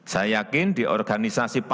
saya yakin di organisasi partai politik